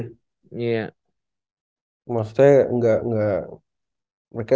maksudnya gak mau ekspetasi terlalu besar